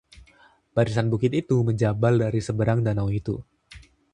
barisan bukit itu menjabal dari seberang danau itu